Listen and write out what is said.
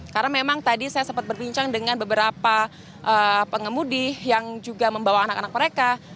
karena memang tadi saya sempat berbincang dengan beberapa pengemudi yang juga membawa anak anak mereka